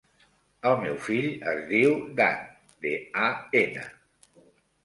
El meu fill es diu Dan: de, a, ena.